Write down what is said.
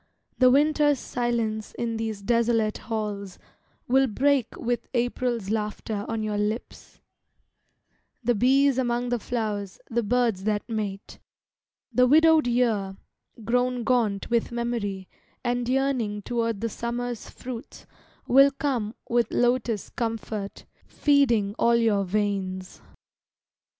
The winter's silence in these desolate halls Will break with April's laughter on your lips; The bees among the flowers, the birds that mate, The widowed year, grown gaunt with memory And yearning toward the summer's fruits, will come With lotus comfort, feeding all your veins.